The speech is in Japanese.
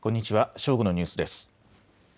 正午のニュースです。